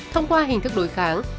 thông qua hình thức đối kháng